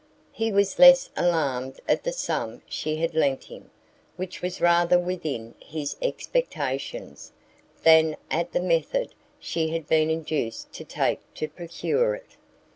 He was less alarmed at the sum she had lent him, which was rather within his expectations, than at the method she had been induced to take to procure it.